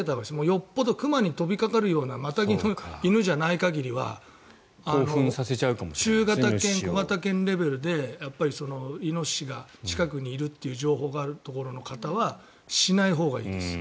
よほど熊に飛びかかるようなマタギの犬じゃない限りは中型犬、小型犬レベルでやっぱりイノシシが近くにいるという情報があるところの方はしないほうがいいです。